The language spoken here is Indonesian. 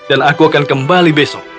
dan aku akan kembali besok